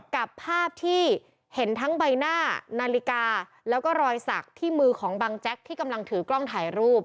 กับภาพที่เห็นทั้งใบหน้านาฬิกาแล้วก็รอยสักที่มือของบังแจ๊กที่กำลังถือกล้องถ่ายรูป